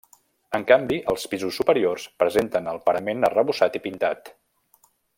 En canvi, els pisos superiors presenten el parament arrebossat i pintat.